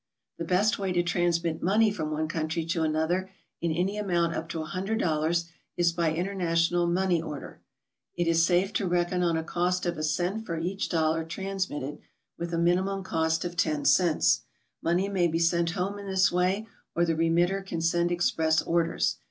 The best way to transmit money from one country to another in any amount up to $100 is by international money order; it is safe to reckon on a cost of a cent for each dollar transmitted, with minimum cost of 10 cents. Money may be 214 GOING ABROAD? sent home in this way, or the remitter can send express orders.